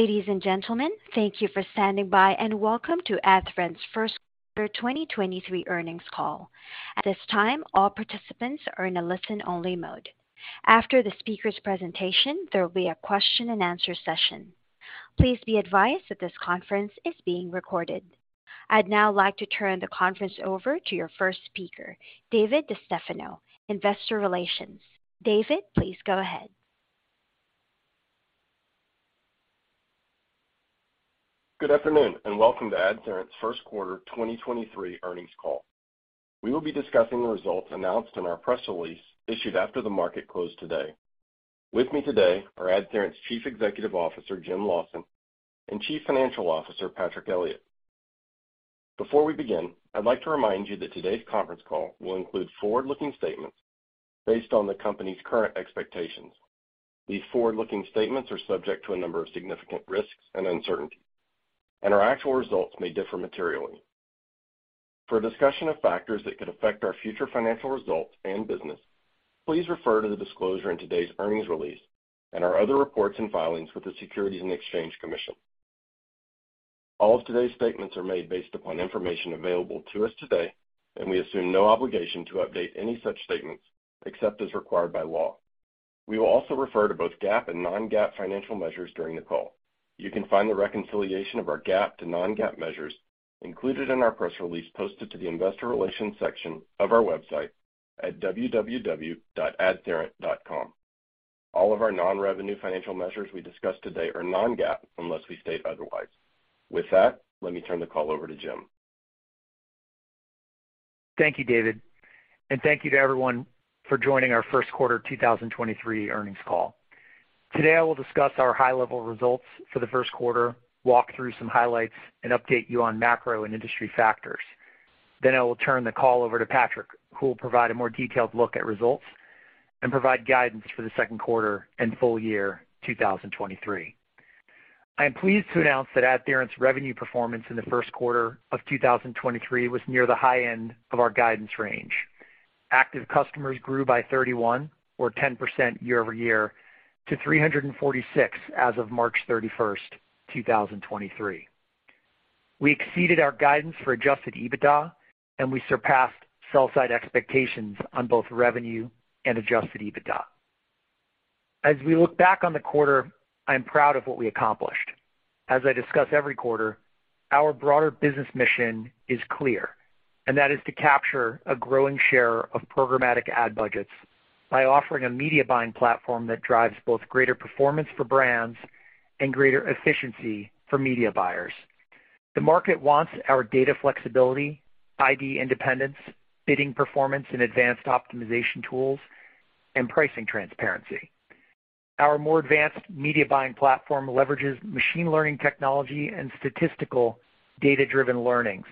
Ladies and gentlemen, thank you for standing by and welcome to AdTheorent's first quarter 2023 earnings call. At this time, all participants are in a listen-only mode. After the speaker's presentation, there will be a question-and-answer session. Please be advised that this conference is being recorded. I'd now like to turn the conference over to your first speaker, David DiStefano, Investor Relations. David, please go ahead. Good afternoon. Welcome to AdTheorent's first quarter 2023 earnings call. We will be discussing the results announced in our press release issued after the market closed today. With me today are AdTheorent's Chief Executive Officer, Jim Lawson, and Chief Financial Officer, Patrick Elliott. Before we begin, I'd like to remind you that today's conference call will include forward-looking statements based on the company's current expectations. These forward-looking statements are subject to a number of significant risks and uncertainties, and our actual results may differ materially. For a discussion of factors that could affect our future financial results and business, please refer to the disclosure in today's earnings release and our other reports and filings with the Securities and Exchange Commission. All of today's statements are made based upon information available to us today, and we assume no obligation to update any such statements except as required by law. We will also refer to both GAAP and non-GAAP financial measures during the call. You can find the reconciliation of our GAAP to non-GAAP measures included in our press release posted to the investor relations section of our website at www.adtheorent.com. All of our non-revenue financial measures we discuss today are non-GAAP unless we state otherwise. With that, let me turn the call over to Jim. Thank you, David, and thank you to everyone for joining our first quarter 2023 earnings call. Today, I will discuss our high-level results for the first quarter, walk through some highlights, and update you on macro and industry factors. I will turn the call over to Patrick, who will provide a more detailed look at results and provide guidance for the second quarter and full year 2023. I am pleased to announce that AdTheorent's revenue performance in the first quarter of 2023 was near the high end of our guidance range. Active customers grew by 31 or 10% year-over-year to 346 as of March 31, 2023. We exceeded our guidance for adjusted EBITDA. We surpassed sell side expectations on both revenue and adjusted EBITDA. As we look back on the quarter, I am proud of what we accomplished. As I discuss every quarter, our broader business mission is clear, and that is to capture a growing share of programmatic ad budgets by offering a media buying platform that drives both greater performance for brands and greater efficiency for media buyers. The market wants our data flexibility, ID independence, bidding performance, and advanced optimization tools, and pricing transparency. Our more advanced media buying platform leverages machine learning technology and statistical data-driven learnings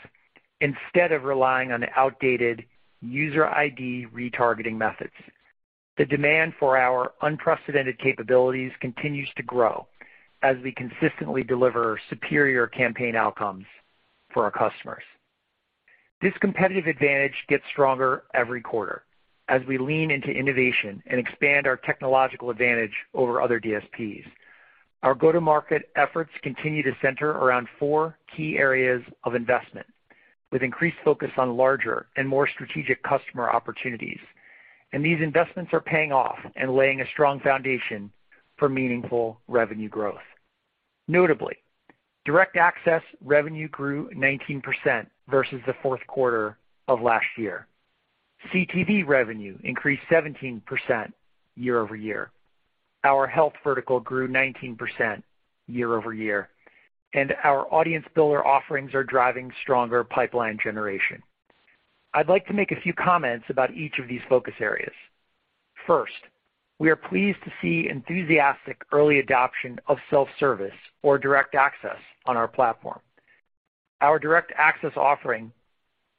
instead of relying on outdated user ID retargeting methods. The demand for our unprecedented capabilities continues to grow as we consistently deliver superior campaign outcomes for our customers. This competitive advantage gets stronger every quarter as we lean into innovation and expand our technological advantage over other DSPs. Our go-to-market efforts continue to center around four key areas of investment, with increased focus on larger and more strategic customer opportunities. These investments are paying off and laying a strong foundation for meaningful revenue growth. Notably, Direct Access revenue grew 19% versus the fourth quarter of last year. CTV revenue increased 17% year-over-year. Our health vertical grew 19% year-over-year, and our Audience Builder offerings are driving stronger pipeline generation. I'd like to make a few comments about each of these focus areas. First, we are pleased to see enthusiastic early adoption of self-service or Direct Access on our platform. Our Direct Access offering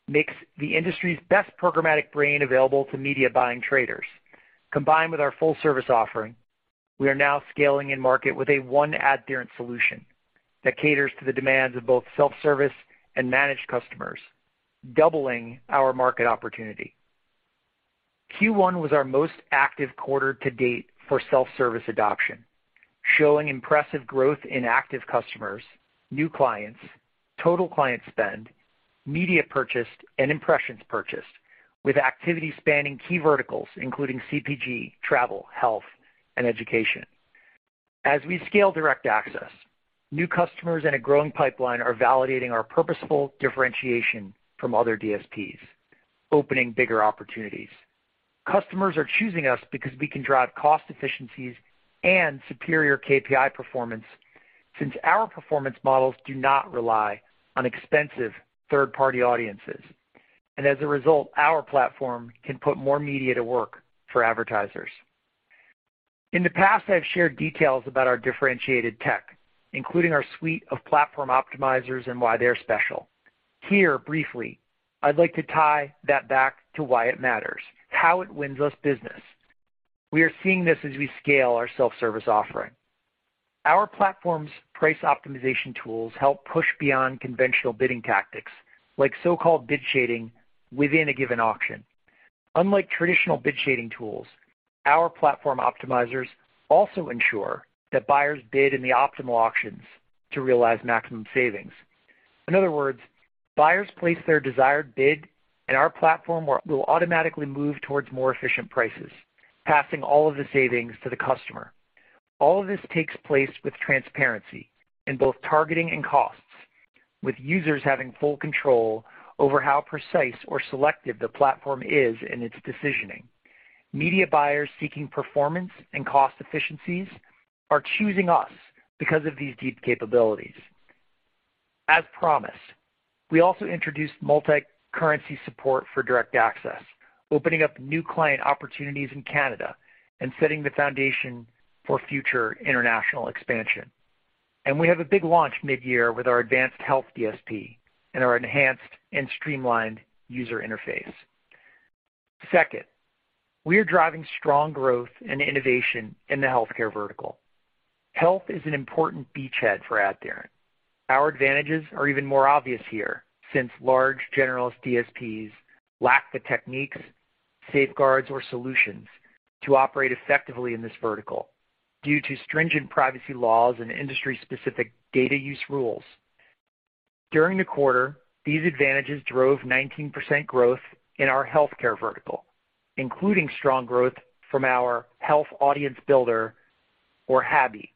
makes the industry's best programmatic brain available to media buying traders. Combined with our full service offering, we are now scaling in market with a one AdTheorent solution that caters to the demands of both self-service and managed customers, doubling our market opportunity. Q1 was our most active quarter to date for self-service adoption, showing impressive growth in active customers, new clients, total client spend, media purchased, and impressions purchased with activity spanning key verticals, including CPG, travel, health, and education. As we scale Direct Access, new customers in a growing pipeline are validating our purposeful differentiation from other DSPs, opening bigger opportunities. Customers are choosing us because we can drive cost efficiencies and superior KPI performance since our performance models do not rely on expensive third-party audiences. As a result, our platform can put more media to work for advertisers. In the past, I've shared details about our differentiated tech, including our suite of platform optimizers and why they're special. Here, briefly, I'd like to tie that back to why it matters, how it wins us business. We are seeing this as we scale our self-service offering. Our platform's price optimization tools help push beyond conventional bidding tactics, like so-called bid shading within a given auction. Unlike traditional bid shading tools, our platform optimizers also ensure that buyers bid in the optimal auctions to realize maximum savings. In other words, buyers place their desired bid and our platform will automatically move towards more efficient prices, passing all of the savings to the customer. All of this takes place with transparency in both targeting and costs, with users having full control over how precise or selective the platform is in its decisioning. Media buyers seeking performance and cost efficiencies are choosing us because of these deep capabilities. As promised, we also introduced multi-currency support for Direct Access, opening up new client opportunities in Canada and setting the foundation for future international expansion. We have a big launch mid-year with our advanced health DSP and our enhanced and streamlined user interface. Second, we are driving strong growth and innovation in the healthcare vertical. Health is an important beachhead for AdTheorent. Our advantages are even more obvious here since large generalist DSPs lack the techniques, safeguards, or solutions to operate effectively in this vertical due to stringent privacy laws and industry-specific data use rules. During the quarter, these advantages drove 19% growth in our healthcare vertical, including strong growth from our health audience builder, or HABi.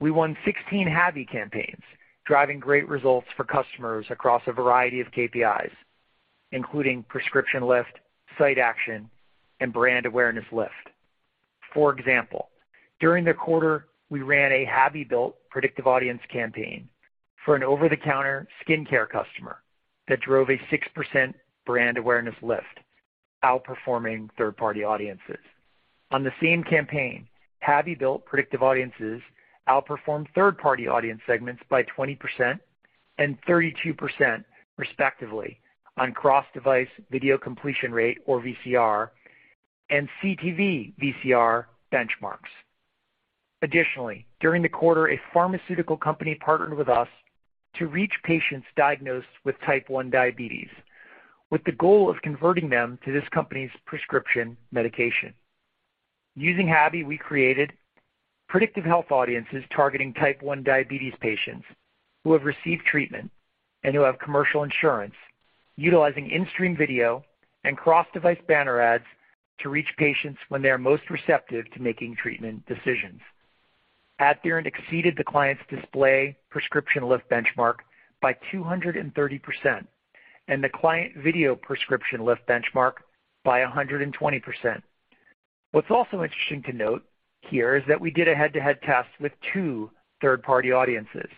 We won 16 HABi campaigns, driving great results for customers across a variety of KPIs, including prescription lift, site action, and brand awareness lift. For example, during the quarter, we ran a HABi-built predictive audience campaign for an over-the-counter skincare customer that drove a 6% brand awareness lift, outperforming third-party audiences. On the same campaign, HABi-built predictive audiences outperformed third-party audience segments by 20% and 32% respectively on cross-device video completion rate, or VCR, and CTV VCR benchmarks. Additionally, during the quarter, a pharmaceutical company partnered with us to reach patients diagnosed with type one diabetes, with the goal of converting them to this company's prescription medication. Using HABi, we created predictive health audiences targeting type one diabetes patients who have received treatment and who have commercial insurance, utilizing in-stream video and cross-device banner ads to reach patients when they are most receptive to making treatment decisions. AdTheorent exceeded the client's display prescription lift benchmark by 230% and the client video prescription lift benchmark by 120%. What's also interesting to note here is that we did a head-to-head test with two third-party audiences,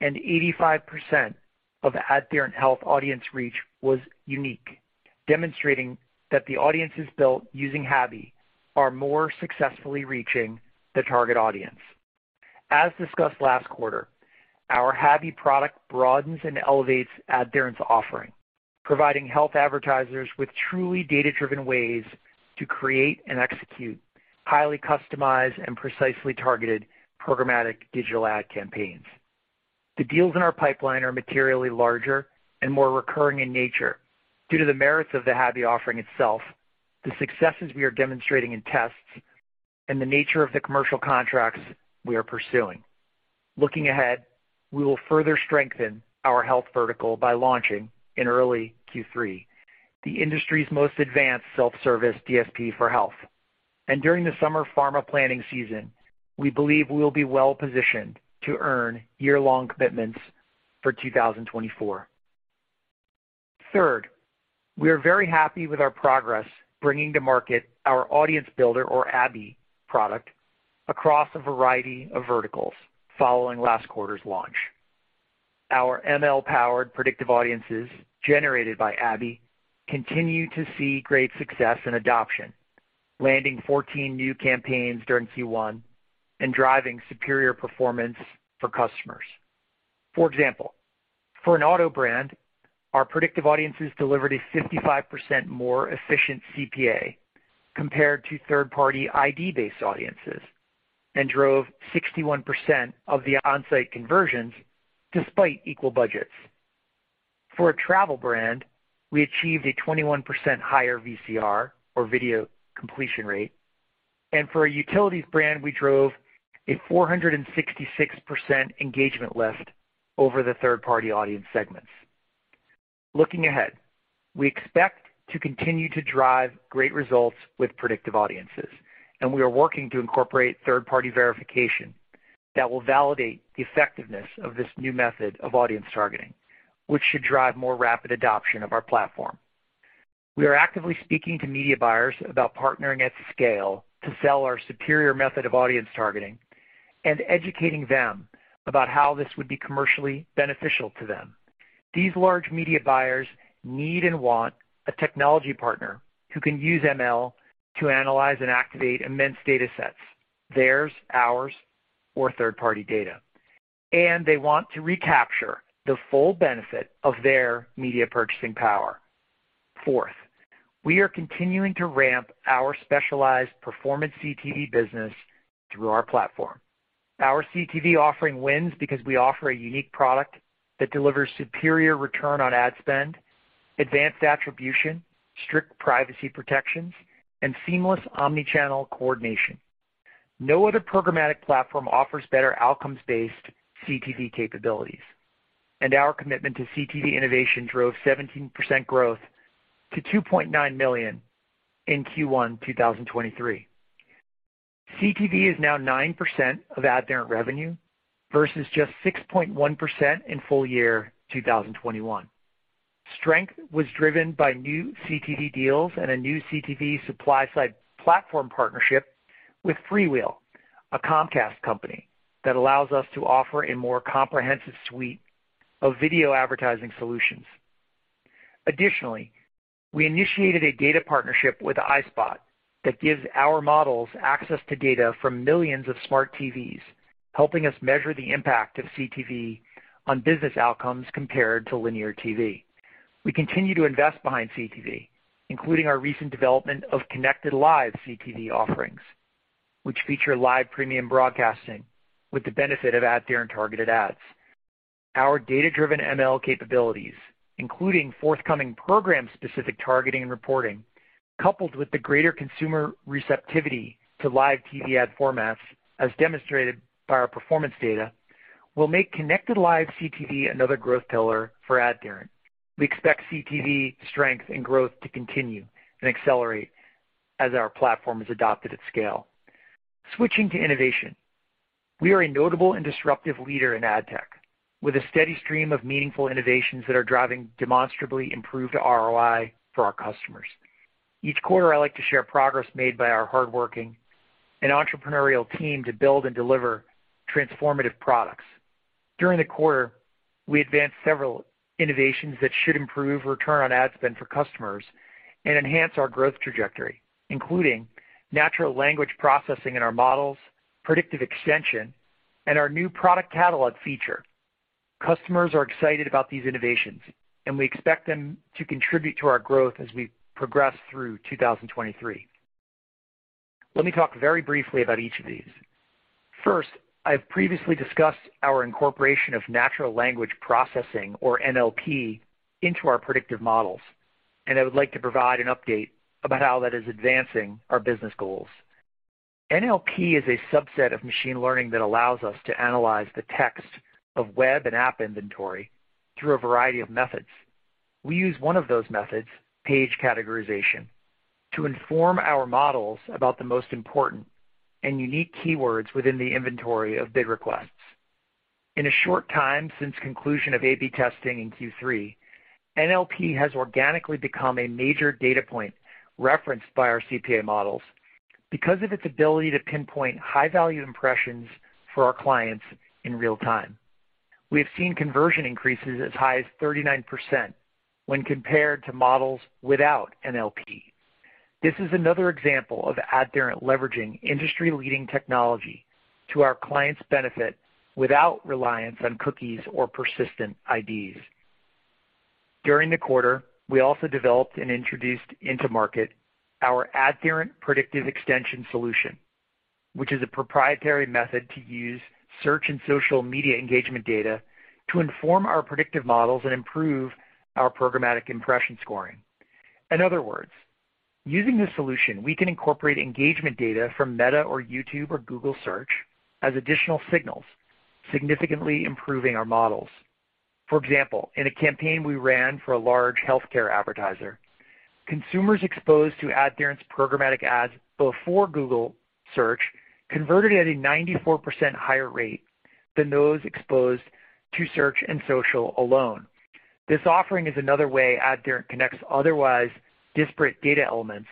and 85% of AdTheorent Health audience reach was unique, demonstrating that the audiences built using HABi are more successfully reaching the target audience. As discussed last quarter, our HABi product broadens and elevates AdTheorent's offering, providing health advertisers with truly data-driven ways to create and execute highly customized and precisely targeted programmatic digital ad campaigns. The deals in our pipeline are materially larger and more recurring in nature due to the merits of the HABi offering itself, the successes we are demonstrating in tests, and the nature of the commercial contracts we are pursuing. Looking ahead, we will further strengthen our health vertical by launching in early Q3 the industry's most advanced self-service DSP for health. During the summer pharma planning season, we believe we'll be well-positioned to earn year-long commitments for 2024. Third, we are very happy with our progress bringing to market our audience builder, or HABi product, across a variety of verticals following last quarter's launch. Our ML-powered predictive audiences generated by HABi continue to see great success and adoption, landing 14 new campaigns during Q1 and driving superior performance for customers. For example, for an auto brand, our predictive audiences delivered a 55% more efficient CPA compared to third-party ID-based audiences and drove 61% of the on-site conversions despite equal budgets. For a travel brand, we achieved a 21% higher VCR, or video completion rate. For a utilities brand, we drove a 466% engagement lift over the third-party audience segments. Looking ahead, we expect to continue to drive great results with predictive audiences, and we are working to incorporate third-party verification that will validate the effectiveness of this new method of audience targeting, which should drive more rapid adoption of our platform. We are actively speaking to media buyers about partnering at scale to sell our superior method of audience targeting and educating them about how this would be commercially beneficial to them. These large media buyers need and want a technology partner who can use ML to analyze and activate immense data sets, theirs, ours, or third-party data, and they want to recapture the full benefit of their media purchasing power. Fourth, we are continuing to ramp our specialized performance CTV business through our platform. Our CTV offering wins because we offer a unique product that delivers superior return on ad spend, advanced attribution, strict privacy protections, and seamless omni-channel coordination. No other programmatic platform offers better outcomes-based CTV capabilities. Our commitment to CTV innovation drove 17% growth to $2.9 million in Q1 2023. CTV is now 9% of AdTheorent revenue versus just 6.1% in full year 2021. Strength was driven by new CTV deals and a new CTV supply-side platform partnership with FreeWheel, a Comcast company that allows us to offer a more comprehensive suite of video advertising solutions. We initiated a data partnership with iSpot that gives our models access to data from millions of smart TVs, helping us measure the impact of CTV on business outcomes compared to linear TV. We continue to invest behind CTV, including our recent development of connected live CTV offerings, which feature live premium broadcasting with the benefit of AdTheorent targeted ads. Our data-driven ML capabilities, including forthcoming program-specific targeting and reporting, coupled with the greater consumer receptivity to live TV ad formats, as demonstrated by our performance data, will make connected live CTV another growth pillar for AdTheorent. We expect CTV strength and growth to continue and accelerate as our platform is adopted at scale. Switching to innovation. We are a notable and disruptive leader in adtech, with a steady stream of meaningful innovations that are driving demonstrably improved ROI for our customers. Each quarter, I like to share progress made by our hardworking and entrepreneurial team to build and deliver transformative products. During the quarter, we advanced several innovations that should improve return on ad spend for customers and enhance our growth trajectory, including natural language processing in our models, Predictive Extension, and our new Product Catalogue feature. Customers are excited about these innovations, and we expect them to contribute to our growth as we progress through 2023. Let me talk very briefly about each of these. First, I've previously discussed our incorporation of natural language processing, or NLP, into our predictive models, and I would like to provide an update about how that is advancing our business goals. NLP is a subset of machine learning that allows us to analyze the text of web and app inventory through a variety of methods. We use one of those methods, page categorization, to inform our models about the most important and unique keywords within the inventory of bid requests. In a short time since conclusion of A/B testing in Q3, NLP has organically become a major data point referenced by our CPA models because of its ability to pinpoint high-value impressions for our clients in real time. We have seen conversion increases as high as 39% when compared to models without NLP. This is another example of AdTheorent leveraging industry-leading technology to our clients' benefit without reliance on cookies or persistent IDs. During the quarter, we also developed and introduced into market our AdTheorent Predictive Extension solution, which is a proprietary method to use search and social media engagement data to inform our predictive models and improve our programmatic impression scoring. In other words, using this solution, we can incorporate engagement data from Meta or YouTube or Google Search as additional signals, significantly improving our models. For example, in a campaign we ran for a large healthcare advertiser, consumers exposed to AdTheorent's programmatic ads before Google Search converted at a 94% higher rate than those exposed to search and social alone. This offering is another way AdTheorent connects otherwise disparate data elements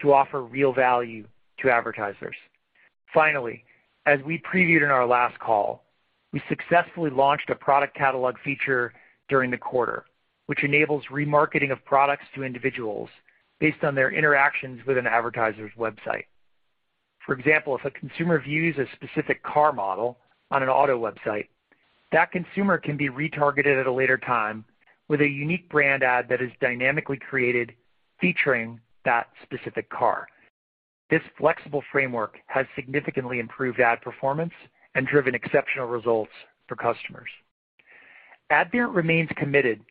to offer real value to advertisers. As we previewed in our last call, we successfully launched a Product Catalogue feature during the quarter, which enables remarketing of products to individuals based on their interactions with an advertiser's website. For example, if a consumer views a specific car model on an auto website, that consumer can be retargeted at a later time with a unique brand ad that is dynamically created featuring that specific car. This flexible framework has significantly improved ad performance and driven exceptional results for customers. AdTheorent remains committed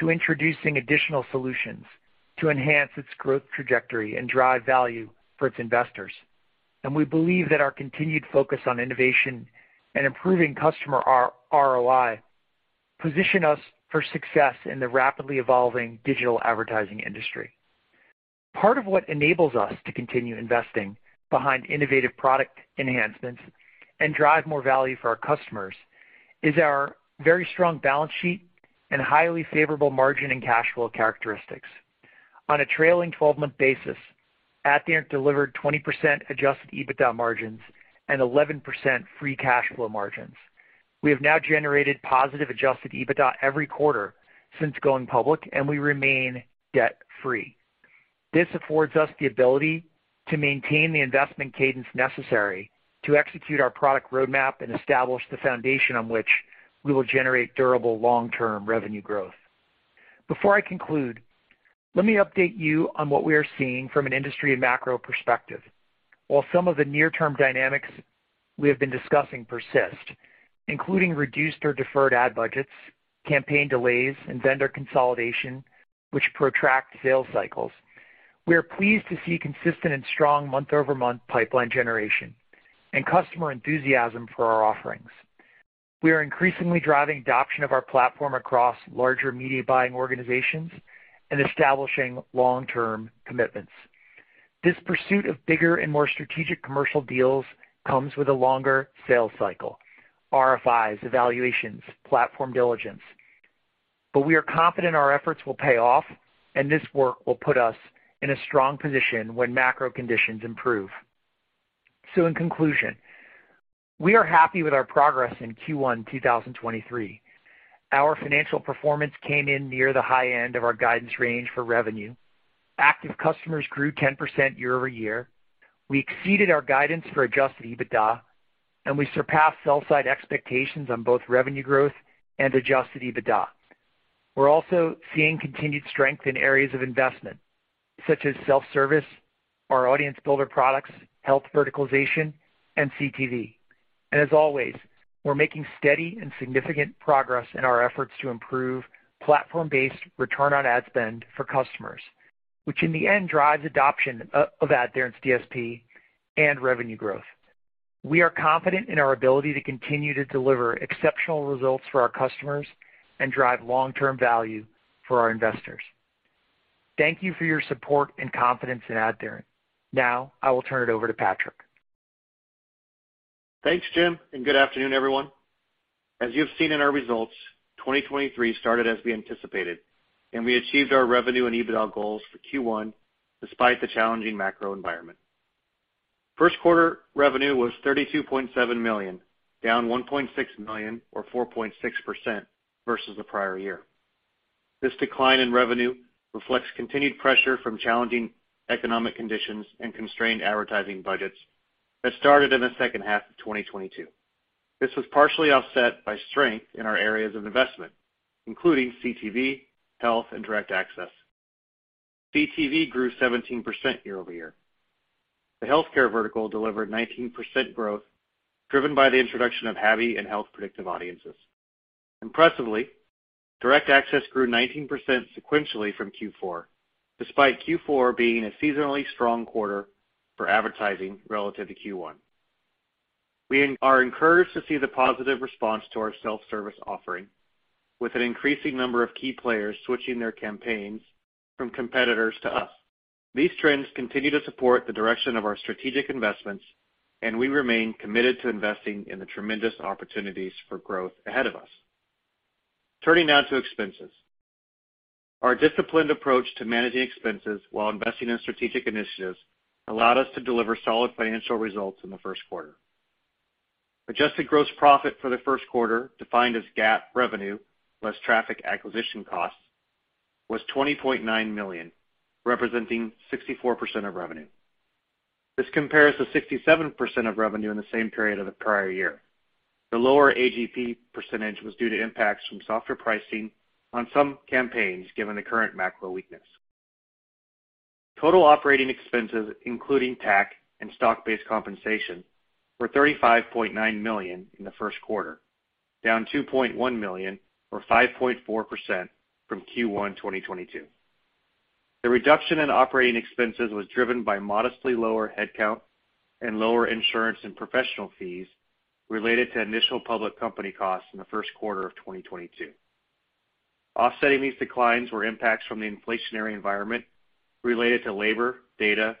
to introducing additional solutions to enhance its growth trajectory and drive value for its investors, and we believe that our continued focus on innovation and improving customer ROI position us for success in the rapidly evolving digital advertising industry. Part of what enables us to continue investing behind innovative product enhancements and drive more value for our customers is our very strong balance sheet and highly favorable margin and cash flow characteristics. On a trailing twelve-month basis, AdTheorent delivered 20% adjusted EBITDA margins and 11% free cash flow margins. We have now generated positive adjusted EBITDA every quarter since going public, and we remain debt-free. This affords us the ability to maintain the investment cadence necessary to execute our product roadmap and establish the foundation on which we will generate durable long-term revenue growth. Before I conclude, let me update you on what we are seeing from an industry and macro perspective. While some of the near-term dynamics we have been discussing persist, including reduced or deferred ad budgets, campaign delays, and vendor consolidation, which protract sales cycles, we are pleased to see consistent and strong month-over-month pipeline generation and customer enthusiasm for our offerings. We are increasingly driving adoption of our platform across larger media buying organizations and establishing long-term commitments. This pursuit of bigger and more strategic commercial deals comes with a longer sales cycle, RFIs, evaluations, platform diligence. We are confident our efforts will pay off, and this work will put us in a strong position when macro conditions improve. In conclusion, we are happy with our progress in Q1 2023. Our financial performance came in near the high end of our guidance range for revenue. Active customers grew 10% year-over-year. We exceeded our guidance for adjusted EBITDA, and we surpassed sell side expectations on both revenue growth and adjusted EBITDA. We're also seeing continued strength in areas of investment such as self-service, our Audience Builder products, health verticalization, and CTV. As always, we're making steady and significant progress in our efforts to improve platform-based return on ad spend for customers, which in the end drives adoption of AdTheorent's DSP and revenue growth. We are confident in our ability to continue to deliver exceptional results for our customers and drive long-term value for our investors. Thank you for your support and confidence in AdTheorent. Now I will turn it over to Patrick. Thanks, Jim. Good afternoon, everyone. As you have seen in our results, 2023 started as we anticipated, and we achieved our revenue and EBITDA goals for Q1 despite the challenging macro environment. First quarter revenue was $32.7 million, down $1.6 million or 4.6% versus the prior year. This decline in revenue reflects continued pressure from challenging economic conditions and constrained advertising budgets that started in the second half of 2022. This was partially offset by strength in our areas of investment, including CTV, health, and Direct Access. CTV grew 17% year-over-year. The healthcare vertical delivered 19% growth, driven by the introduction of HABi and health predictive audiences. Impressively, Direct Access grew 19% sequentially from Q4, despite Q4 being a seasonally strong quarter for advertising relative to Q1. We are encouraged to see the positive response to our self-service offering, with an increasing number of key players switching their campaigns from competitors to us. These trends continue to support the direction of our strategic investments, and we remain committed to investing in the tremendous opportunities for growth ahead of us. Turning now to expenses. Our disciplined approach to managing expenses while investing in strategic initiatives allowed us to deliver solid financial results in the first quarter. Adjusted gross profit for the first quarter, defined as GAAP revenue, less traffic acquisition costs, was $20.9 million, representing 64% of revenue. This compares to 67% of revenue in the same period of the prior year. The lower AGP percentage was due to impacts from softer pricing on some campaigns given the current macro weakness. Total operating expenses, including TAC and stock-based compensation, were $35.9 million in the first quarter, down $2.1 million or 5.4% from Q1 2022. The reduction in operating expenses was driven by modestly lower headcount and lower insurance and professional fees related to initial public company costs in the first quarter of 2022. Offsetting these declines were impacts from the inflationary environment related to labor, data,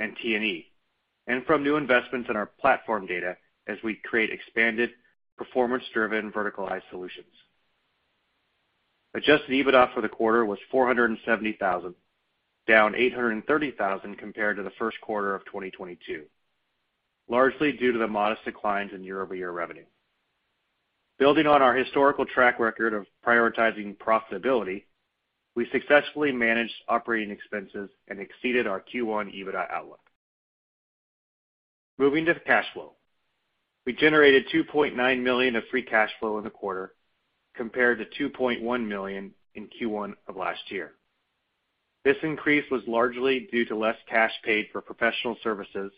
and T&E, and from new investments in our platform data as we create expanded, performance-driven, verticalized solutions. Adjusted EBITDA for the quarter was $470 thousand, down $830 thousand compared to the first quarter of 2022, largely due to the modest declines in year-over-year revenue. Building on our historical track record of prioritizing profitability, we successfully managed operating expenses and exceeded our Q1 EBITDA outlook. Moving to cash flow. We generated $2.9 million of free cash flow in the quarter compared to $2.1 million in Q1 of last year. This increase was largely due to less cash paid for professional services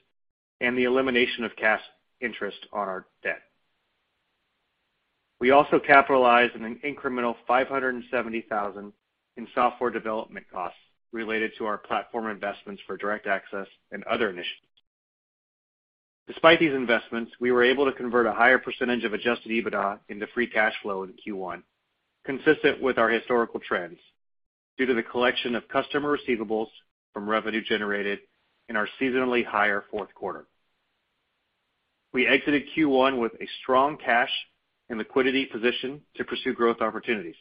and the elimination of cash interest on our debt. We also capitalized on an incremental $570,000 in software development costs related to our platform investments for Direct Access and other initiatives. Despite these investments, we were able to convert a higher percentage of adjusted EBITDA into free cash flow in Q1, consistent with our historical trends, due to the collection of customer receivables from revenue generated in our seasonally higher fourth quarter. We exited Q1 with a strong cash and liquidity position to pursue growth opportunities.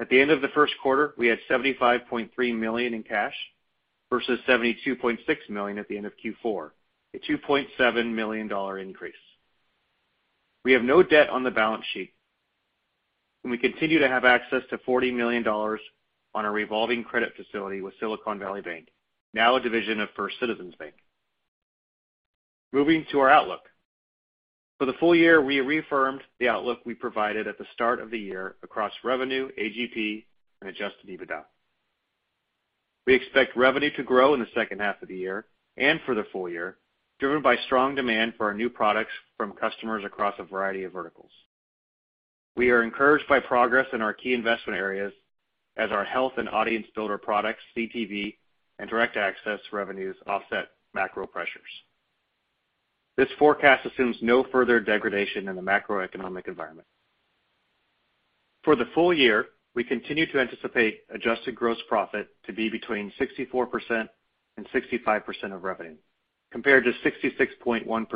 At the end of the first quarter, we had $75.3 million in cash versus $72.6 million at the end of Q4, a $2.7 million increase. We have no debt on the balance sheet. We continue to have access to $40 million on our revolving credit facility with Silicon Valley Bank, now a division of First Citizens Bank. Moving to our outlook. For the full year, we reaffirmed the outlook we provided at the start of the year across revenue, AGP, and adjusted EBITDA. We expect revenue to grow in the second half of the year and for the full year, driven by strong demand for our new products from customers across a variety of verticals. We are encouraged by progress in our key investment areas as our Health and Audience Builder products, CTV and Direct Access revenues offset macro pressures. This forecast assumes no further degradation in the macroeconomic environment. For the full year, we continue to anticipate adjusted gross profit to be between 64% and 65% of revenue, compared to 66.1% in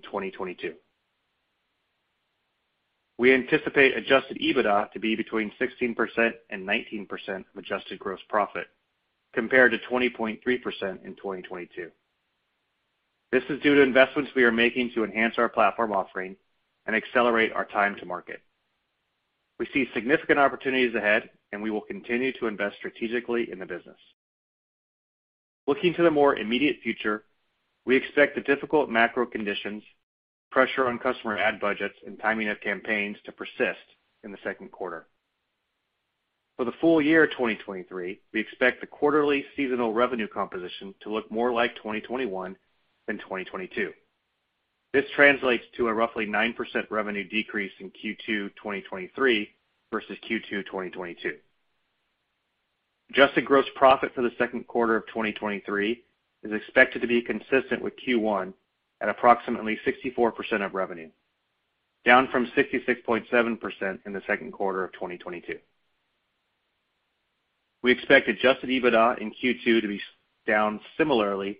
2022. We anticipate adjusted EBITDA to be between 16% and 19% of adjusted gross profit, compared to 20.3% in 2022. This is due to investments we are making to enhance our platform offering and accelerate our time to market. We see significant opportunities ahead, and we will continue to invest strategically in the business. Looking to the more immediate future, we expect the difficult macro conditions, pressure on customer ad budgets and timing of campaigns to persist in the second quarter. For the full year 2023, we expect the quarterly seasonal revenue composition to look more like 2021 than 2022. This translates to a roughly 9% revenue decrease in Q2 2023 versus Q2 2022. Adjusted gross profit for the second quarter of 2023 is expected to be consistent with Q1 at approximately 64% of revenue, down from 66.7% in the second quarter of 2022. We expect adjusted EBITDA in Q2 to be down similarly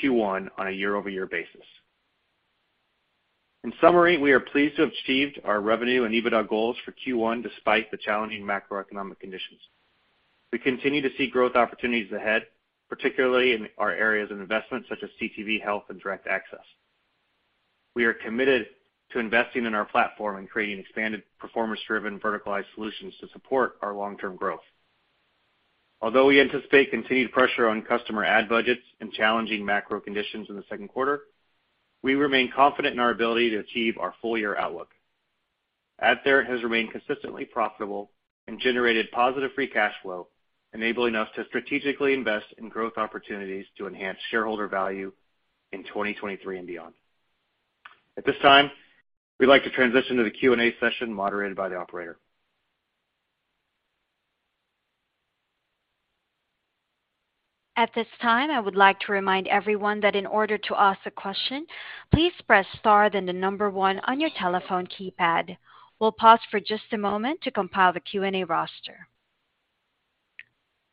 to Q1 on a year-over-year basis. In summary, we are pleased to have achieved our revenue and EBITDA goals for Q1 despite the challenging macroeconomic conditions. We continue to see growth opportunities ahead, particularly in our areas of investment such as CTV, Health and Direct Access. We are committed to investing in our platform and creating expanded performance-driven verticalized solutions to support our long-term growth. Although we anticipate continued pressure on customer ad budgets and challenging macro conditions in the second quarter, we remain confident in our ability to achieve our full year outlook. AdTheorent has remained consistently profitable and generated positive free cash flow, enabling us to strategically invest in growth opportunities to enhance shareholder value in 2023 and beyond. At this time, we'd like to transition to the Q&A session moderated by the operator. At this time, I would like to remind everyone that in order to ask a question, please press star then the number one on your telephone keypad. We'll pause for just a moment to compile the Q&A roster.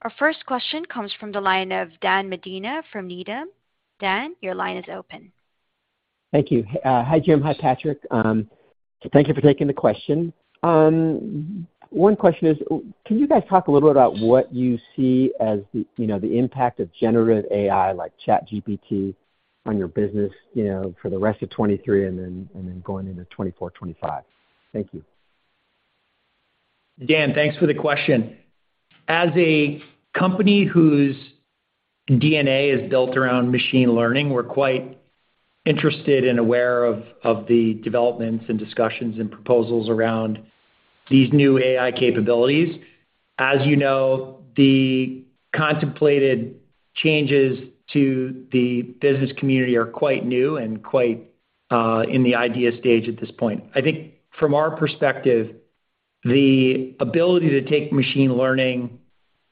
Our first question comes from the line of Laura Martin from Needham. Dan, your line is open. Thank you. Hi, Jim. Hi, Patrick. Thank you for taking the question. One question is, can you guys talk a little bit about what you see as, you know, the impact of generative AI like ChatGPT on your business, you know, for the rest of 2023 and then going into 2024, 2025? Thank you. Dan, thanks for the question. As a company whose DNA is built around machine learning, we're quite interested and aware of the developments and discussions and proposals around these new AI capabilities. As you know, the contemplated changes to the business community are quite new and quite in the idea stage at this point. I think from our perspective, the ability to take machine learning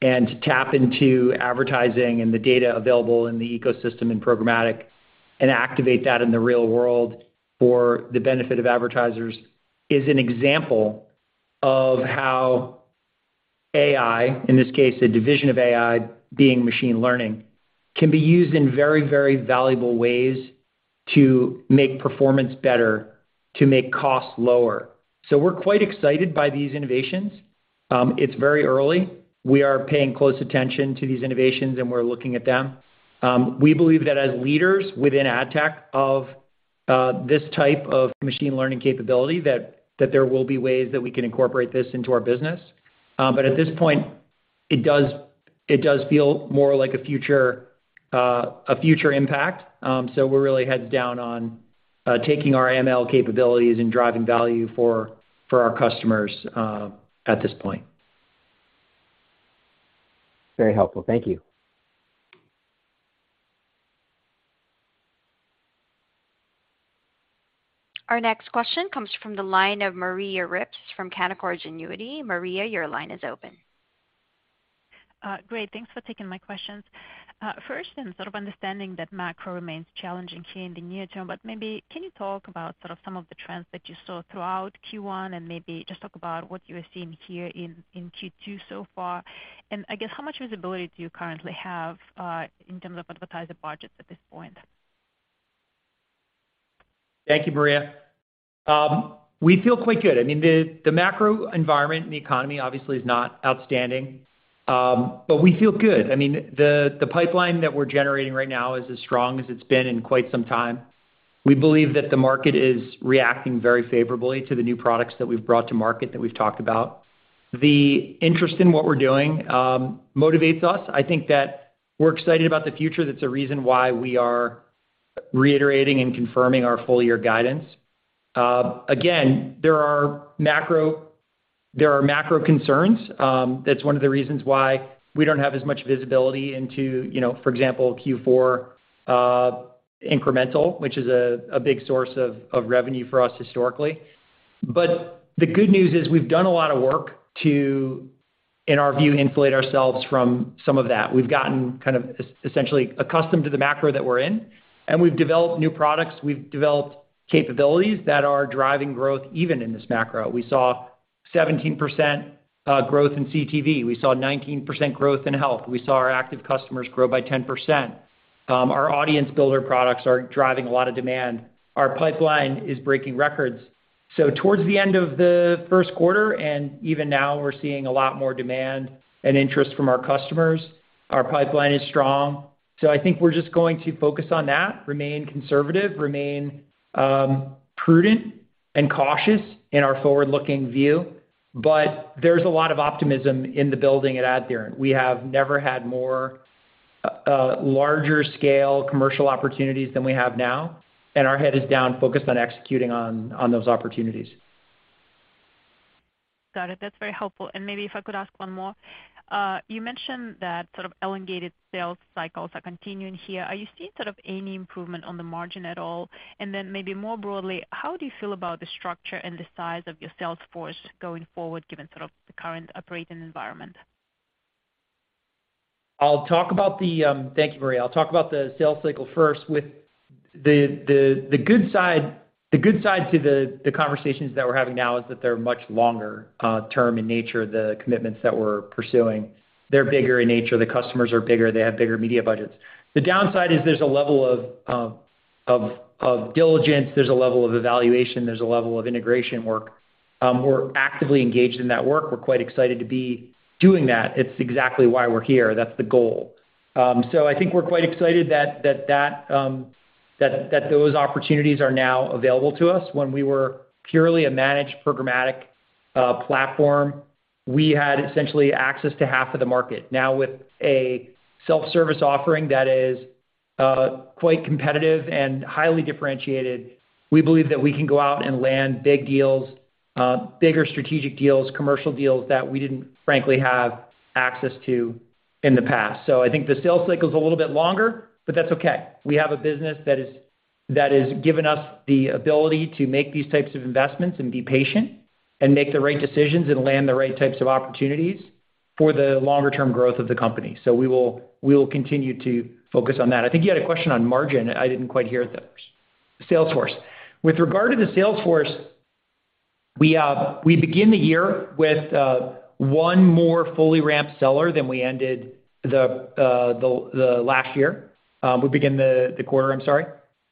and to tap into advertising and the data available in the ecosystem and programmatic and activate that in the real world for the benefit of advertisers is an example of how AI, in this case, a division of AI being machine learning, can be used in very, very valuable ways to make performance better, to make costs lower. We're quite excited by these innovations. It's very early. We are paying close attention to these innovations, and we're looking at them. We believe that as leaders within AdTech of this type of machine learning capability, that there will be ways that we can incorporate this into our business. At this point, it does feel more like a future impact. We're really heads down on taking our ML capabilities and driving value for our customers at this point. Very helpful. Thank you. Our next question comes from the line of Maria Ripps from Canaccord Genuity. Maria, your line is open. Great. Thanks for taking my questions. First, sort of understanding that macro remains challenging here in the near term, but maybe can you talk about sort of some of the trends that you saw throughout Q1 and maybe just talk about what you are seeing here in Q2 so far? I guess, how much visibility do you currently have, in terms of advertiser budgets at this point? Thank you, Maria. We feel quite good. I mean, the macro environment and the economy obviously is not outstanding, but we feel good. I mean, the pipeline that we're generating right now is as strong as it's been in quite some time. We believe that the market is reacting very favorably to the new products that we've brought to market that we've talked about. The interest in what we're doing, motivates us. I think that we're excited about the future. That's a reason why we are Reiterating and confirming our full year guidance. Again, there are macro concerns. That's one of the reasons why we don't have as much visibility into, you know, for example, Q4 incremental, which is a big source of revenue for us historically. The good news is we've done a lot of work to, in our view, insulate ourselves from some of that. We've gotten kind of essentially accustomed to the macro that we're in, and we've developed new products, we've developed capabilities that are driving growth even in this macro. We saw 17% growth in CTV. We saw 19% growth in health. We saw our active customers grow by 10%. Our Audience Builder products are driving a lot of demand. Our pipeline is breaking records. Towards the end of the first quarter, and even now, we're seeing a lot more demand and interest from our customers. Our pipeline is strong. I think we're just going to focus on that, remain conservative, remain prudent and cautious in our forward-looking view. There's a lot of optimism in the building at AdTheorent. We have never had more, larger scale commercial opportunities than we have now, and our head is down, focused on executing on those opportunities. Got it. That's very helpful. Maybe if I could ask one more. You mentioned that sort of elongated sales cycles are continuing here. Are you seeing sort of any improvement on the margin at all? Maybe more broadly, how do you feel about the structure and the size of your sales force going forward, given sort of the current operating environment? Thank you, Maria. I'll talk about the sales cycle first. With the good side to the conversations that we're having now is that they're much longer term in nature, the commitments that we're pursuing. They're bigger in nature. The customers are bigger. They have bigger media budgets. The downside is there's a level of diligence, there's a level of evaluation, there's a level of integration work. We're actively engaged in that work. We're quite excited to be doing that. It's exactly why we're here. That's the goal. I think we're quite excited that those opportunities are now available to us. When we were purely a managed programmatic platform, we had essentially access to half of the market. Now, with a self-service offering that is quite competitive and highly differentiated, we believe that we can go out and land big deals, bigger strategic deals, commercial deals that we didn't frankly have access to in the past. I think the sales cycle is a little bit longer, but that's okay. We have a business that has given us the ability to make these types of investments and be patient and make the right decisions and land the right types of opportunities for the longer term growth of the company. We will continue to focus on that. I think you had a question on margin. I didn't quite hear it the first. Sales force. With regard to the sales force, we begin the year with one more fully ramped seller than we ended the last year. We begin the quarter, I'm sorry.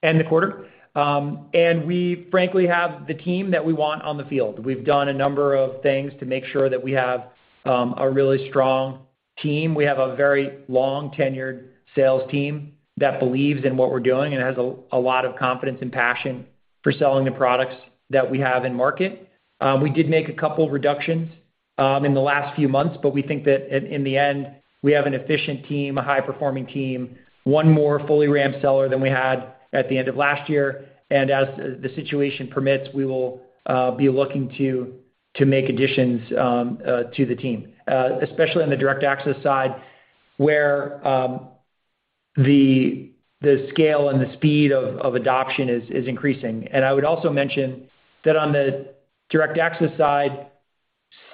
End the quarter. We frankly have the team that we want on the field. We've done a number of things to make sure that we have a really strong team. We have a very long-tenured sales team that believes in what we're doing and has a lot of confidence and passion for selling the products that we have in market. We did make a couple reductions in the last few months, but we think that in the end, we have an efficient team, a high-performing team, 1 more fully ramped seller than we had at the end of last year. As the situation permits, we will be looking to make additions to the team. Especially on the Direct Access side, where the scale and the speed of adoption is increasing. I would also mention that on the Direct Access side,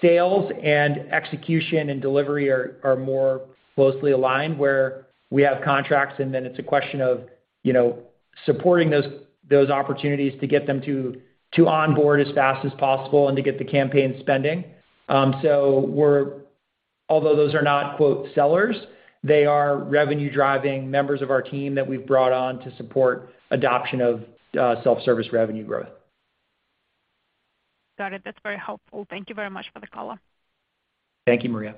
sales and execution and delivery are more closely aligned, where we have contracts and then it's a question of, you know, supporting those opportunities to get them to onboard as fast as possible and to get the campaign spending. Although those are not, quote, "sellers," they are revenue-driving members of our team that we've brought on to support adoption of self-service revenue growth. Got it. That's very helpful. Thank you very much for the color. Thank you, Maria.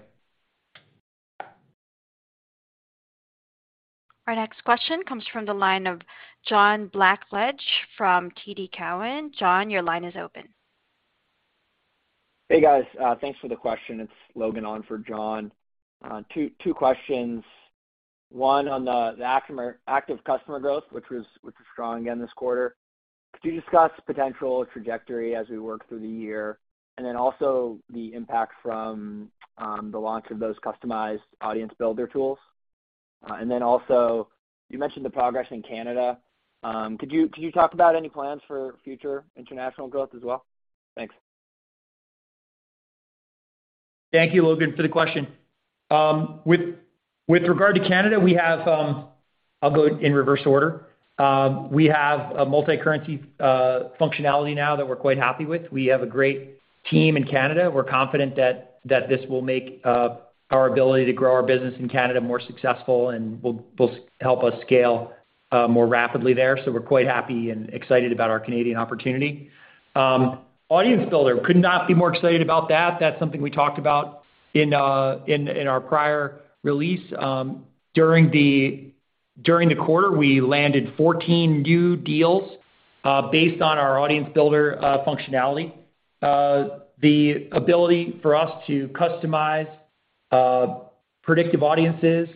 Our next question comes from the line of John Blackledge from TD Cowen. John, your line is open. Hey, guys. Thanks for the question. It's Logan on for John. Two questions. One, on the active customer growth, which was strong again this quarter. Could you discuss potential trajectory as we work through the year? The impact from the launch of those customized Audience Builder tools. You mentioned the progress in Canada. Could you talk about any plans for future international growth as well? Thanks. Thank you, Logan, for the question. With regard to Canada, we have... I'll go in reverse order. We have a multicurrency functionality now that we're quite happy with. We have a great team in Canada. We're confident that this will make our ability to grow our business in Canada more successful and will help us scale more rapidly there. We're quite happy and excited about our Canadian opportunity. Audience Builder, could not be more excited about that. That's something we talked about in our prior release. During the quarter, we landed 14 new deals based on our Audience Builder functionality. The ability for us to customize predictive audiences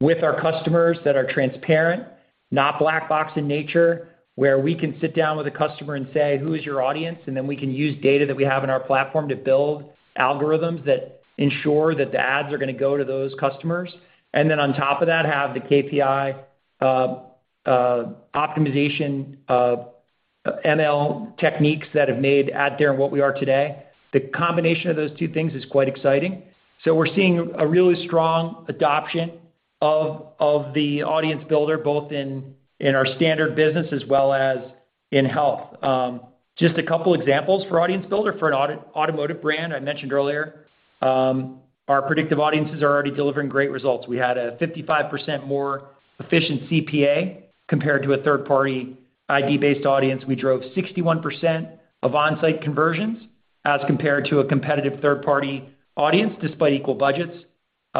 with our customers that are transparent, not black box in nature, where we can sit down with a customer and say, "Who is your audience?" Then we can use data that we have in our platform to build algorithms that ensure that the ads are gonna go to those customers. Then on top of that, have the KPI optimization of ML techniques that have made AdTheorent what we are today. The combination of those two things is quite exciting. We're seeing a really strong adoption of the Audience Builder, both in our standard business as well as in health. Just a couple examples for Audience Builder. For an automotive brand I mentioned earlier, our predictive audiences are already delivering great results. We had a 55% more efficient CPA compared to a third-party ID-based audience. We drove 61% of on-site conversions as compared to a competitive third-party audience, despite equal budgets.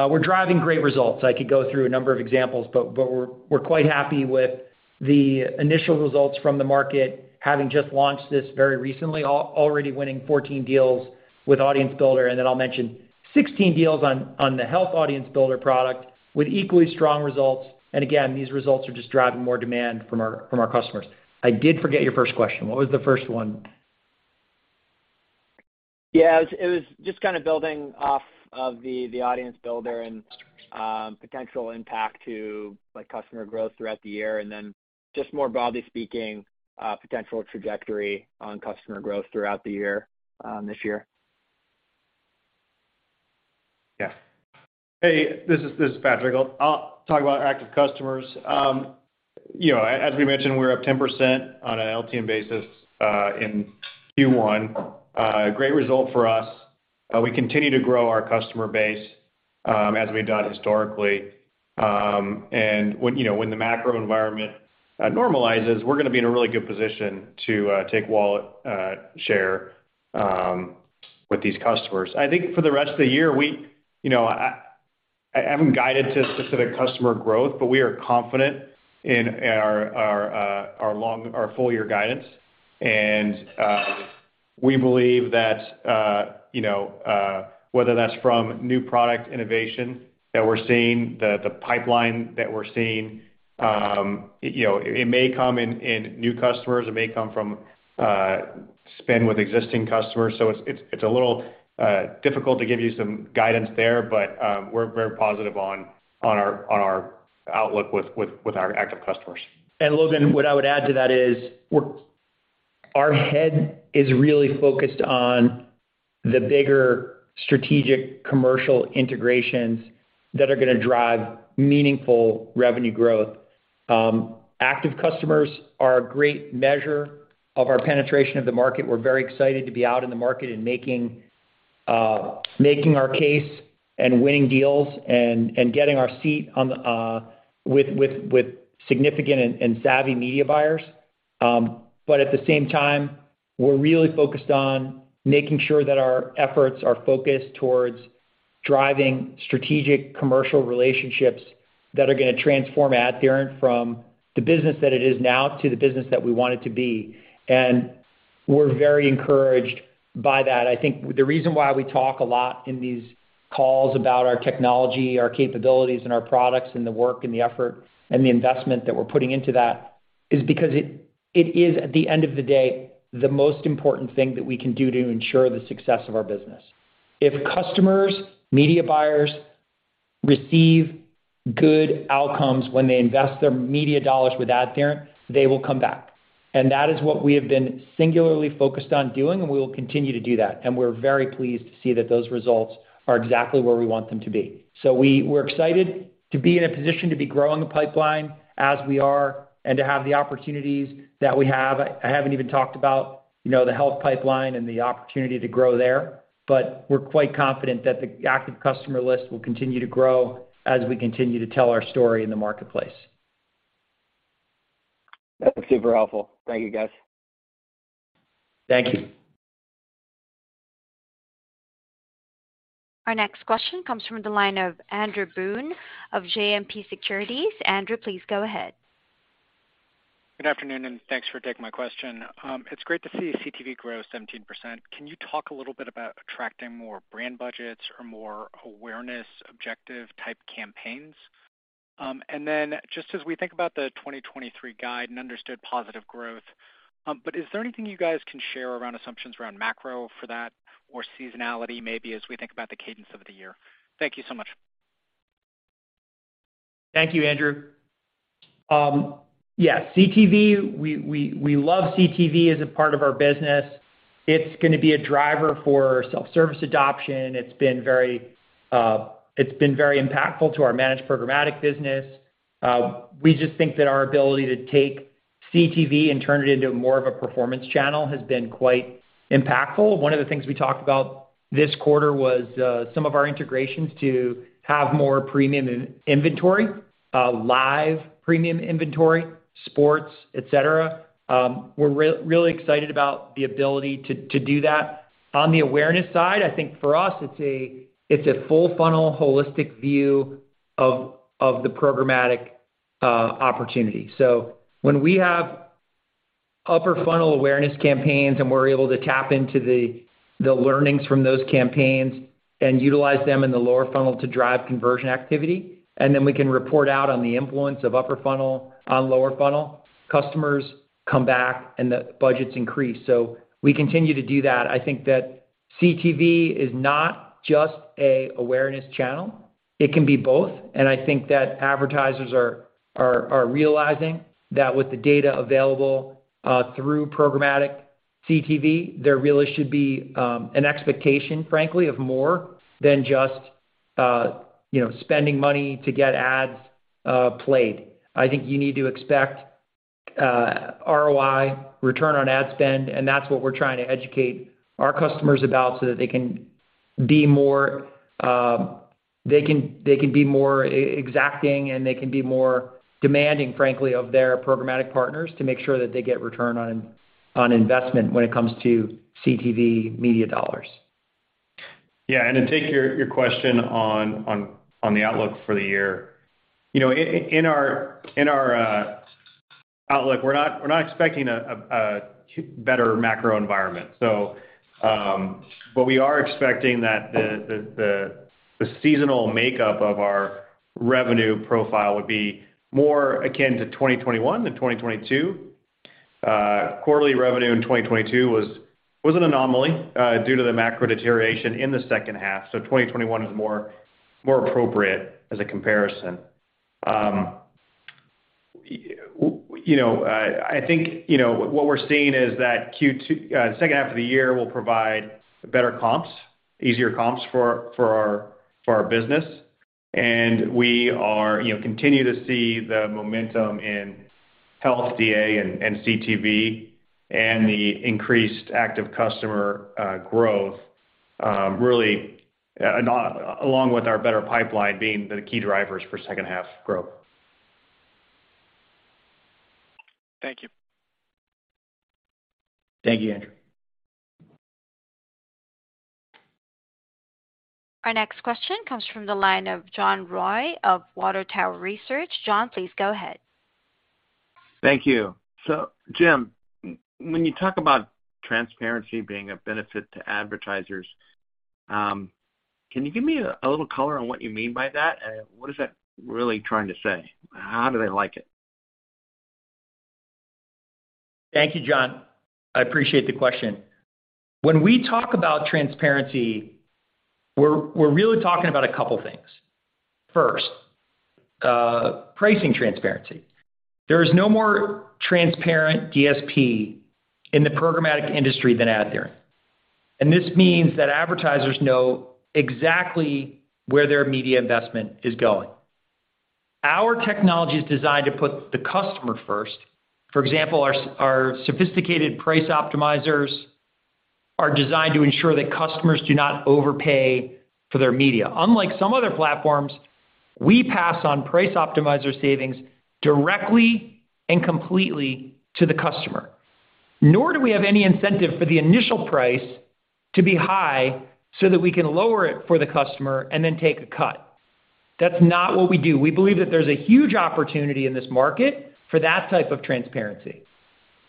We're driving great results. I could go through a number of examples, but we're quite happy with the initial results from the market having just launched this very recently, already winning 14 deals with Audience Builder, and then I'll mention 16 deals on the Health Audience Builder product with equally strong results. Again, these results are just driving more demand from our customers. I did forget your first question. What was the first one? Yeah. It was just kind of building off of the Audience Builder and, potential impact to, like, customer growth throughout the year, and then just more broadly speaking, potential trajectory on customer growth throughout the year, this year. Yeah. Hey, this is Patrick. I'll talk about active customers. You know, as we mentioned, we're up 10% on a LTM basis in Q1. A great result for us. We continue to grow our customer base, as we've done historically. When, you know, when the macro environment normalizes, we're gonna be in a really good position to take wallet share with these customers. I think for the rest of the year, you know, I haven't guided to specific customer growth, but we are confident in our full year guidance. We believe that, you know, whether that's from new product innovation that we're seeing, the pipeline that we're seeing, you know, it may come in new customers, it may come from spend with existing customers. It's a little difficult to give you some guidance there, but we're very positive on our outlook with our Active Customers. Logan, what I would add to that is we're our head is really focused on the bigger strategic commercial integrations that are gonna drive meaningful revenue growth. Active customers are a great measure of our penetration of the market. We're very excited to be out in the market and making our case and winning deals and getting our seat on the with significant and savvy media buyers. But at the same time, we're really focused on making sure that our efforts are focused towards driving strategic commercial relationships that are gonna transform AdTheorent from the business that it is now to the business that we want it to be. We're very encouraged by that. I think the reason why we talk a lot in these calls about our technology, our capabilities and our products and the work and the effort and the investment that we're putting into that is because it is, at the end of the day, the most important thing that we can do to ensure the success of our business. If customers, media buyers receive good outcomes when they invest their media dollars with AdTheorent, they will come back. That is what we have been singularly focused on doing, and we will continue to do that. We're very pleased to see that those results are exactly where we want them to be. We're excited to be in a position to be growing the pipeline as we are and to have the opportunities that we have. I haven't even talked about, you know, the health pipeline and the opportunity to grow there, but we're quite confident that the active customer list will continue to grow as we continue to tell our story in the marketplace. That's super helpful. Thank you, guys. Thank you. Our next question comes from the line of Andrew Boone of JMP Securities. Andrew, please go ahead. Good afternoon. Thanks for taking my question. It's great to see CTV grow 17%. Can you talk a little bit about attracting more brand budgets or more awareness objective type campaigns? Just as we think about the 2023 guide and understood positive growth, is there anything you guys can share around assumptions around macro for that or seasonality maybe as we think about the cadence of the year? Thank you so much. Thank you, Andrew. Yes, CTV, we love CTV as a part of our business. It's gonna be a driver for self-service adoption. It's been very impactful to our managed programmatic business. We just think that our ability to take CTV and turn it into more of a performance channel has been quite impactful. One of the things we talked about this quarter was some of our integrations to have more premium in-inventory, live premium inventory, sports, et cetera. We're really excited about the ability to do that. On the awareness side, I think for us it's a full funnel holistic view of the programmatic opportunity. When we have-Upper funnel awareness campaigns, and we're able to tap into the learnings from those campaigns and utilize them in the lower funnel to drive conversion activity, and then we can report out on the influence of upper funnel on lower funnel. Customers come back and the budgets increase. We continue to do that. I think that CTV is not just a awareness channel, it can be both. I think that advertisers are realizing that with the data available through programmatic CTV, there really should be an expectation, frankly, of more than just, you know, spending money to get ads played. I think you need to expect, ROI, return on ad spend, and that's what we're trying to educate our customers about so that they can be more exacting and they can be more demanding, frankly, of their programmatic partners to make sure that they get return on investment when it comes to CTV media dollars. Yeah. To take your question on the outlook for the year. You know, in our outlook, we're not expecting a better macro environment. We are expecting that the seasonal makeup of our revenue profile would be more akin to 2021 than 2022. Quarterly revenue in 2022 was an anomaly due to the macro deterioration in the second half. 2021 is more appropriate as a comparison. You know, I think, you know, what we're seeing is that second half of the year will provide better comps, easier comps for our business. We are, you know, continue to see the momentum in health, DA, and CTV and the increased active customer growth, really along with our better pipeline being the key drivers for second half growth. Thank you. Thank you, Andrew. Our next question comes from the line of John Roy of Water Tower Research. John, please go ahead. Thank you. Jim, when you talk about transparency being a benefit to advertisers, can you give me a little color on what you mean by that? What is that really trying to say? How do they like it? Thank you, John. I appreciate the question. We're really talking about a couple things. First, pricing transparency. There is no more transparent DSP in the programmatic industry than AdTheorent. This means that advertisers know exactly where their media investment is going. Our technology is designed to put the customer first. Our sophisticated price optimizers are designed to ensure that customers do not overpay for their media. Unlike some other platforms, we pass on price optimizer savings directly and completely to the customer. Do we have any incentive for the initial price to be high so that we can lower it for the customer and then take a cut. That's not what we do. We believe that there's a huge opportunity in this market for that type of transparency.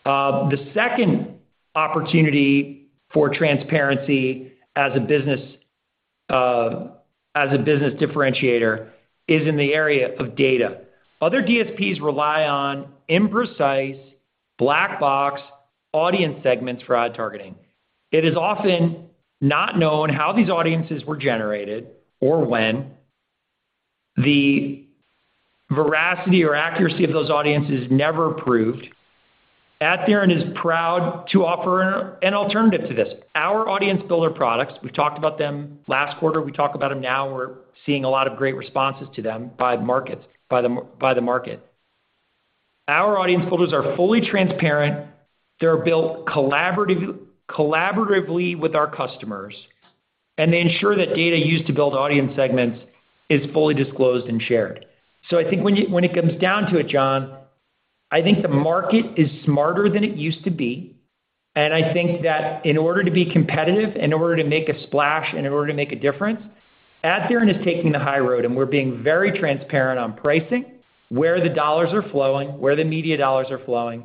The second opportunity for transparency as a business differentiator is in the area of data. Other DSPs rely on imprecise black box audience segments for ad targeting. It is often not known how these audiences were generated or when. The veracity or accuracy of those audiences never proved. AdTheorent is proud to offer an alternative to this. Our Audience Builder products, we've talked about them last quarter, we talk about them now, we're seeing a lot of great responses to them by the market. Our Audience Builders are fully transparent. They're built collaboratively with our customers, and they ensure that data used to build audience segments is fully disclosed and shared. I think when it comes down to it, John, I think the market is smarter than it used to be. I think that in order to be competitive, in order to make a splash, in order to make a difference, AdTheorent is taking the high road, and we're being very transparent on pricing, where the dollars are flowing, where the media dollars are flowing,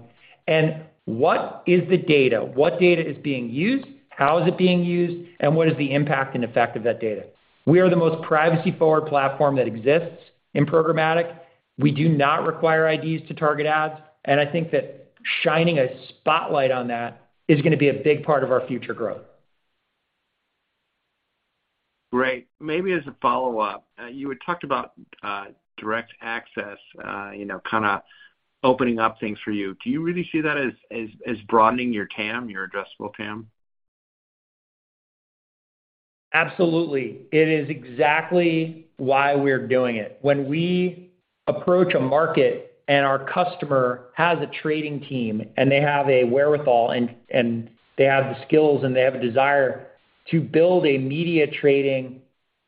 and what is the data, what data is being used, how is it being used, and what is the impact and effect of that data. We are the most privacy-forward platform that exists in programmatic. We do not require IDs to target ads, and I think that shining a spotlight on that is gonna be a big part of our future growth. Great. Maybe as a follow-up, you had talked about Direct Access, you know, kinda opening up things for you. Do you really see that as broadening your TAM, your adjustable TAM? Absolutely. It is exactly why we're doing it. When we approach a market and our customer has a trading team and they have a wherewithal and they have the skills and they have a desire to build a media trading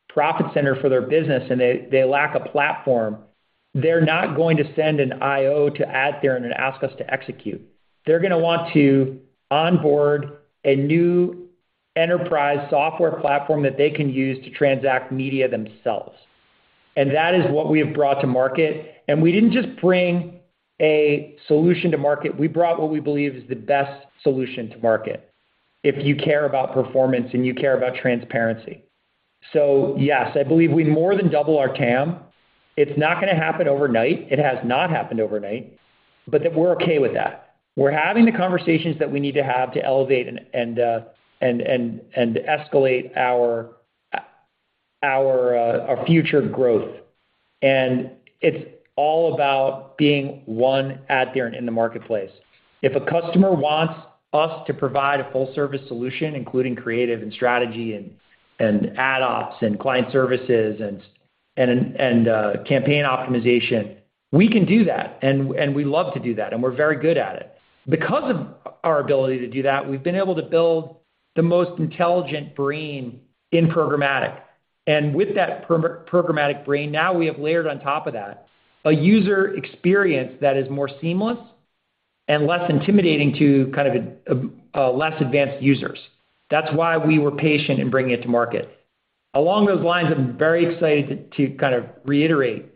profit center for their business and they lack a platform, they're not going to send an IO to AdTheorent and ask us to execute. They're going to want to onboard a new enterprise software platform that they can use to transact media themselves. That is what we have brought to market. We didn't just bring a solution to market, we brought what we believe is the best solution to market if you care about performance and you care about transparency. Yes, I believe we more than double our TAM. It's not going to happen overnight. It has not happened overnight. That we're okay with that. We're having the conversations that we need to have to elevate and escalate our future growth. It's all about being one AdTheorent in the marketplace. If a customer wants us to provide a full service solution, including creative and strategy and ad ops and client services and campaign optimization, we can do that. We love to do that, and we're very good at it. Because of our ability to do that, we've been able to build the most intelligent brain in programmatic. With that programmatic brain, now we have layered on top of that a user experience that is more seamless and less intimidating to kind of less advanced users. That's why we were patient in bringing it to market. Along those lines, I'm very excited to kind of reiterate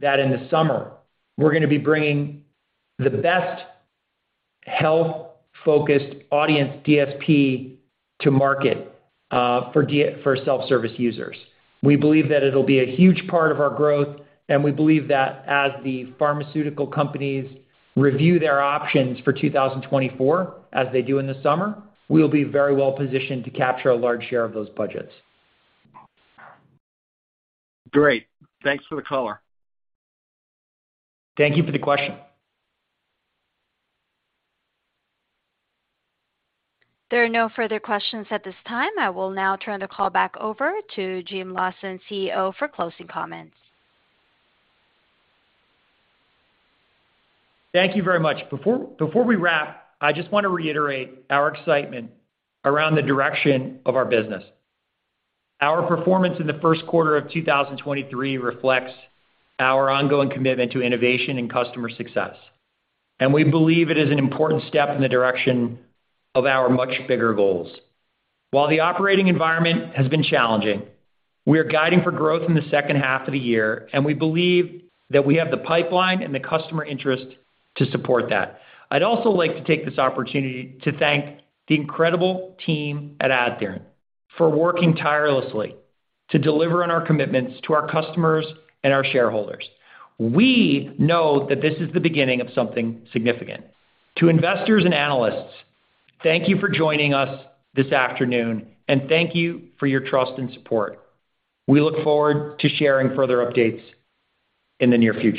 that in the summer, we're gonna be bringing the best health-focused audience DSP to market for self-service users. We believe that it'll be a huge part of our growth, and we believe that as the pharmaceutical companies review their options for 2024, as they do in the summer, we'll be very well positioned to capture a large share of those budgets. Great. Thanks for the color. Thank you for the question. There are no further questions at this time. I will now turn the call back over to Jim Lawson, CEO, for closing comments. Thank you very much. Before we wrap, I just wanna reiterate our excitement around the direction of our business. Our performance in the first quarter of 2023 reflects our ongoing commitment to innovation and customer success, and we believe it is an important step in the direction of our much bigger goals. While the operating environment has been challenging, we are guiding for growth in the second half of the year, and we believe that we have the pipeline and the customer interest to support that. I'd also like to take this opportunity to thank the incredible team at AdTheorent for working tirelessly to deliver on our commitments to our customers and our shareholders. We know that this is the beginning of something significant. To investors and analysts, thank you for joining us this afternoon, and thank you for your trust and support. We look forward to sharing further updates in the near future.